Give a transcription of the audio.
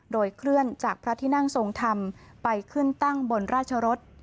โดยเคลื่อนจากพระที่นั่งทรงธรรมไปขึ้นตั้งบนราชรส